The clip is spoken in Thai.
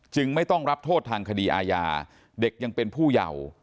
ไม่ต้องรับโทษทางคดีอาญาเด็กยังเป็นผู้เยาว์